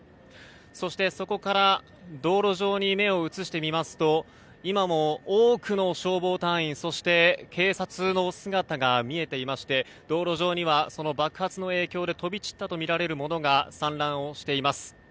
そして、そこから道路上に目を移してみますと今も多くの消防隊員そして、警察の姿が見えていまして道路上には爆発の影響で飛び散ったとみられるものが散乱しています。